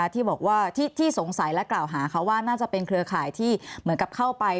ที่สงสัยและกล่าวหาว่าน่าจะเป็นเครือข่ายที่เหมือนกับเข้าไป